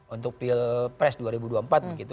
untuk pilpres dua ribu dua puluh empat begitu